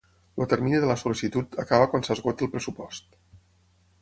El termini de la sol·licitud acaba quan s'esgoti el pressupost.